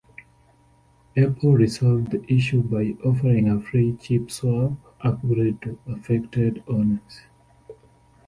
Apple resolved the issue by offering a free chip-swap upgrade to affected owners.